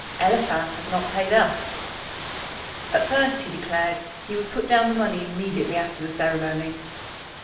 Eliphaz had not paid up! At first he declared he would put down the money immediately after the ceremony.